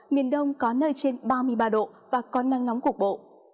miền đông có nơi trên ba mươi ba độ và có nắng nóng cục bộ